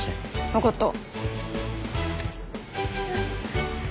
分かった。